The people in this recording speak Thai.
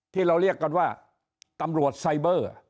ที่เราเรียกกันว่าตำรวจไซเบอร์